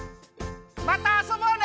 またあそぼうね！